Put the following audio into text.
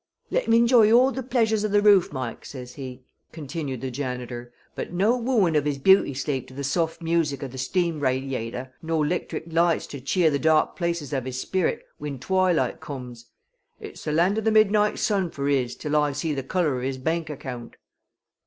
"'Let him enjye all the pleasures of the roof, Mike,' says he," continued the janitor, "'but no wooin' of his beauty sleep to the soft music of the steam radiator, nor 'lectric lights to cheer the dark places of his sperrit whin twilight comes. Ut's the land of the Midnight Sun for his till I see th' color of his bank account.'"